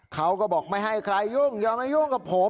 เขาก็บอกไม่ให้ใครยุ่งยอมไม่ยุ่ง